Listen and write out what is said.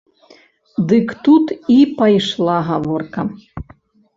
Дык тут і пайшла гаворка.